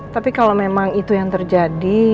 tapi kalau memang itu yang terjadi